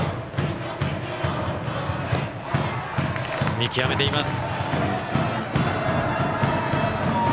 見極めています。